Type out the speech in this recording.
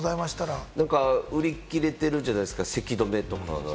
売り切れてるじゃないですか、せき止めとか。